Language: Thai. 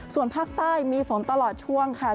ส่วนภาคใต้มีฝนตลอดช่วงค่ะ